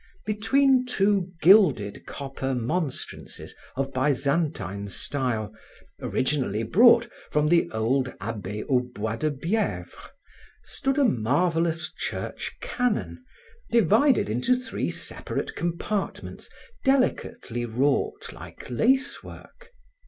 Between two gilded copper monstrances of Byzantine style, originally brought from the old Abbaye au Bois de Bievre, stood a marvelous church canon divided into three separate compartments delicately wrought like lace work.